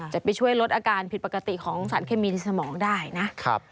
จะไปช่วยลดอาการผิดปกติของสารเคมีในสมองได้นะครับ